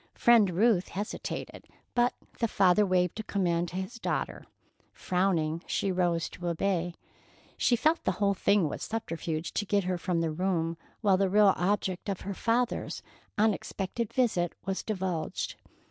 Friend Ruth hesitated, but the father waved a command to his daughter. Frowning, she arose to obey. She felt the whole thing was a subterfuge to get her from the room while the real object of her father's unexpected visit was divulged.